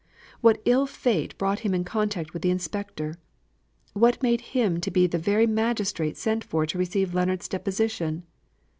What ill fate brought him in contact with the Inspector? What made him be the very magistrate sent for to receive Leonards' deposition?